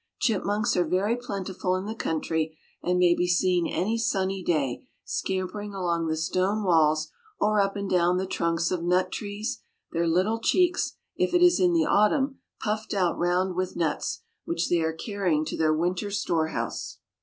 Chipmunks are very plentiful in the country, and may be seen any sunny day scampering along the stone walls, or up and down the trunks of nut trees, their little cheeks, if it is in the autumn, puffed out round with nuts, which they are carrying to their winter store house.